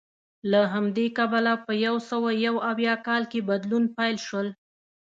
له همدې کبله په یو سوه یو اویا کال کې بدلونونه پیل شول